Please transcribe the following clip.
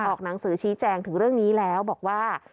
หนังสือชี้แจงถึงเรื่องนี้แล้วบอกว่า